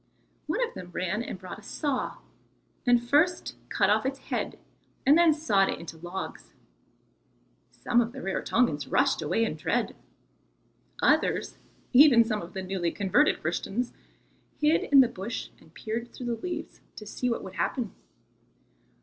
One of them ran and brought a saw, and first cut off its head and then sawed it into logs. Some of the Rarotongans rushed away in dread. Others even some of the newly converted Christians hid in the bush and peered through the leaves to see what would happen.